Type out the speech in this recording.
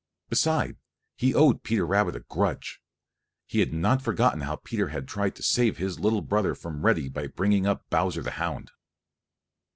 Beside, he owed Peter Rabbit a grudge. He had not forgotten how Peter had tried to save his little brother from Reddy by bringing up Bowser the Hound.